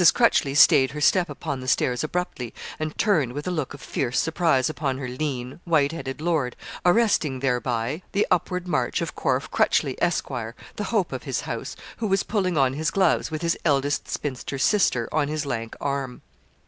Crutchleigh stayed her step upon the stairs abruptly, and turned, with a look of fierce surprise upon her lean, white headed lord, arresting thereby the upward march of Corfe Crutchleigh, Esq., the hope of his house, who was pulling on his gloves, with his eldest spinster sister on his lank arm.